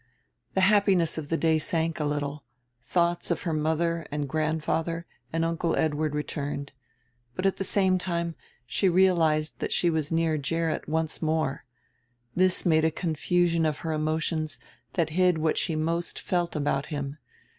The happiness of the day sank a little, thoughts of her mother and grandfather and Uncle Edward returned. But, at the same time, she realized that she was near Gerrit once more. This made a confusion of her emotions that hid what she most felt about him.